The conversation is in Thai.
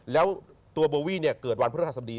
แล้วตัวบุวี่เนี่ยเกิดวันพฤศจรรย์สมดี